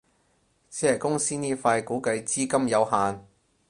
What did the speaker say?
只係公司呢塊估計資金有限